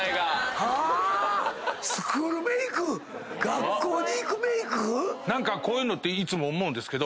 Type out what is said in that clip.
⁉学校に行くメイク⁉何かこういうのっていつも思うんですけど。